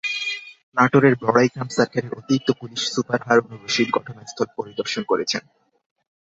নাটোরের বড়াইগ্রাম সার্কেলের অতিরিক্ত পুলিশ সুপার হারুনর রশিদ ঘটনাস্থল পরিদর্শন করেছেন।